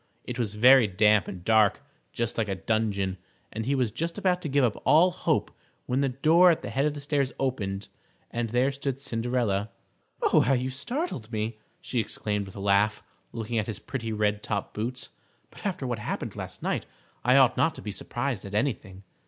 It was very damp and dark, just like a dungeon, and he was just about to give up all hope when the door at the head of the stairs opened, and there stood Cinderella. "How you startled me!" she exclaimed, with a laugh, looking at his pretty red top boots. "But after what happened last night I ought not to be surprised at anything."